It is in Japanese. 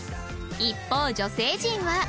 一方女性陣は